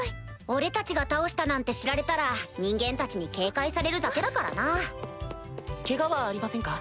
俺たちが倒したなんて知られたら人間たちに警戒されるだけだからなケガはありませんか？